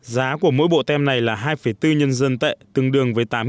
giá của mỗi bộ tem này là hai bốn nhân dân tệ tương đương với tám mươi